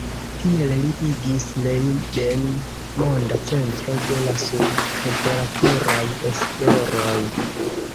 Tiel li igis Leiden monda centro de la sub-temperaturaj esploroj.